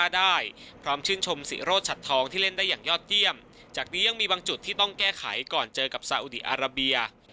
ได้อย่างยอดเยี่ยมจากนี้ยังมีบางจุดที่ต้องแก้ไขก่อนเจอกับสาวุดิอาราเบีย